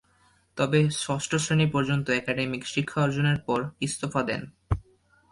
তবে ষষ্ঠ শ্রেণি পর্যন্ত একাডেমিক শিক্ষা অর্জনের পর ইস্তফা দেন।